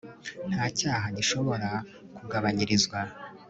nta cyaha gishobora kugabanyirizwa